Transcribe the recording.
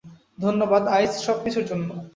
ধন্যবাদ, আইস, সবকিছুর জন্য।